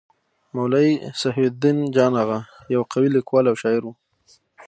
مولوي محی الدين جان اغا يو قوي لیکوال او شاعر وو.